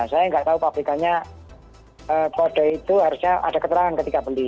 saya nggak tahu pabrikannya kode itu harusnya ada keterangan ketika beli